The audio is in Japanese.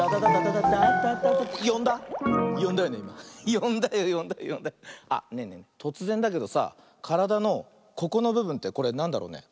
よんだよよんだよよんだよ。あっねえねえとつぜんだけどさからだのここのぶぶんってこれなんだろうね？